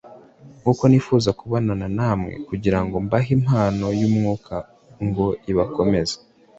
kuko nifuza kubonana namwe kugira ngo mbahe impano y’Umwuka ngo ibakomeze